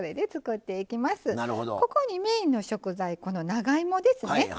ここにメインの食材この長芋ですね